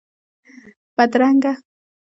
بدرنګه